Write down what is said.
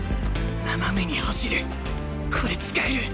斜めに走るこれ使える！